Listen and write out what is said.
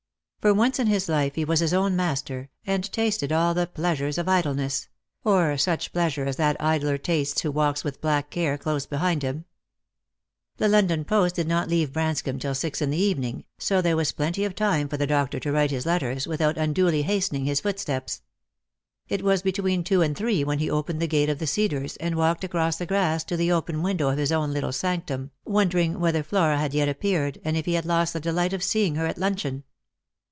For once in his life he was his own master, and tasted all the pleasures of idleness ; or such pleasure as that idler tastes who walks with black Care close behind him. The London post did not leave Branscomb till six in the evening, so there was plenty of time for the doctor to write his letters without unduly hastening his footsteps. It was between two and three when he opened the gate of the Cedars, and walked across the grass to the open window of his own little sanctum, wondering whether Flora had yet appeared, and if he had lost the delight of seeing her at luncheon.